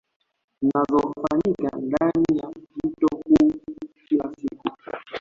Zinazofanyika ndani ya mto huo kila siku